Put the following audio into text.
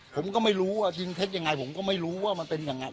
ผมก็ไม่รู้ว่าทิ้งเท็จยังไงผมก็ไม่รู้ว่ามันเป็นยังไง